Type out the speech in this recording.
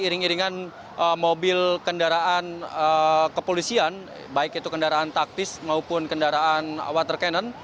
iring iringan mobil kendaraan kepolisian baik itu kendaraan taktis maupun kendaraan water cannon